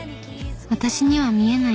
私には見えない